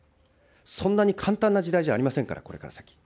そんなに簡単な時代じゃありませんから、これから先。